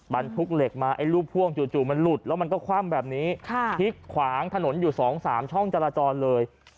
บรรทุกเหล็กมาไอ้ลูกพ่วงจู่มันหลุดแล้วมันก็คว่ำแบบนี้พลิกขวางถนนอยู่๒๓ช่องจราจรเลย